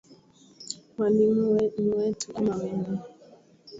Mwalimu ni wetu ama wenu.